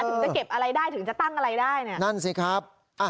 ถึงจะเก็บอะไรได้ถึงจะตั้งอะไรได้เนี่ยนั่นสิครับ